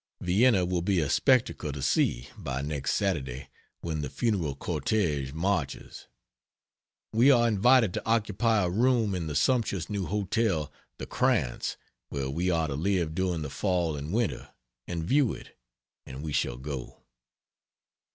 Vienna will be a spectacle to see, by next Saturday, when the funeral cortege marches. We are invited to occupy a room in the sumptuous new hotel (the "Krantz" where we are to live during the Fall and Winter) and view it, and we shall go.